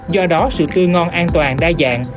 do đó sự tươi ngon an toàn đa dạng